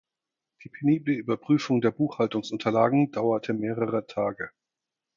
Die penible Überprüfung der Buchhaltungsunterlagen dauerte mehrere Tage.